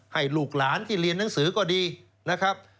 ให้ลูกหลานที่เรียนหนังสือก็ดีนะครับ